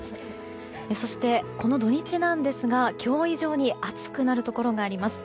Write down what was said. そして、この土日なんですが今日以上に暑くなるところがあります。